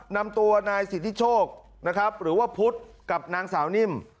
นำตัวนายสิทธิโชคนะครับหรือว่าพุทธกับนางสาวนิ่ม